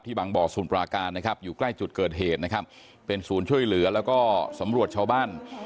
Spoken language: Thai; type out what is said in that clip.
บางบ่อศูนย์ปราการนะครับอยู่ใกล้จุดเกิดเหตุนะครับเป็นศูนย์ช่วยเหลือแล้วก็สำรวจชาวบ้าน